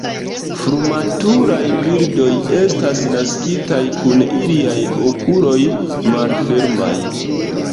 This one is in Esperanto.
Frumaturaj birdoj estas naskitaj kun iliaj okuloj malfermaj.